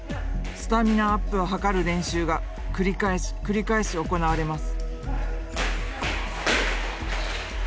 スタミナアップを図る練習が繰り返し繰り返し行われます。